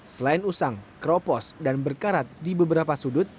selain usang keropos dan berkarat di beberapa sudut